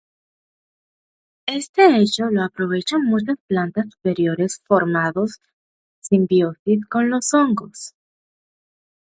Este hecho lo aprovechan muchas plantas superiores formando simbiosis con los hongos.